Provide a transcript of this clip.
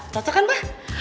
cocok kan pak